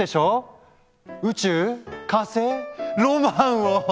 宇宙火星ロマンを！